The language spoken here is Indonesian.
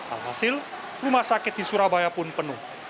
alhasil rumah sakit di surabaya pun penuh